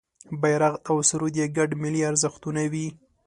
بېرغ او سرود یې ګډ ملي ارزښتونه وي.